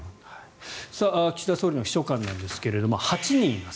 岸田総理の秘書官なんですが８人います。